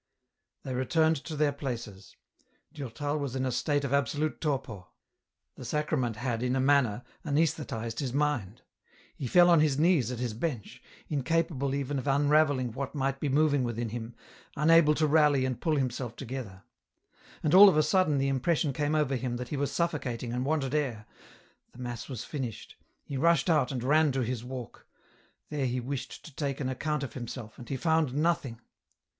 They returned to their places. Durtal was in a state of absolute torpor ; the Sacrament had, in a manner, anaesthe tized his mind ; he fell on his knees at his bench, incapable even of unravelling what might be moving within him, unable to rally and pull himself together. And all of a sudden the impression came over him that he was suffocating and wanted air ; the mass was finished ; he rushed out and ran to his walk ; there he wished to take an account of himself and he found nothing.